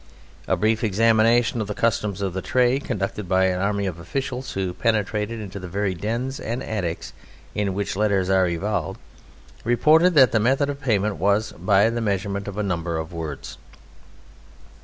A brief examination of the customs of the trade, conducted by an army of officials who penetrated into the very dens and attics in which Letters are evolved, reported that the method of payment was by the measurement of a number of words.